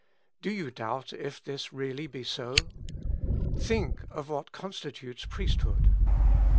Do you doubt if this really be so ? Think of what constitutes priesthood.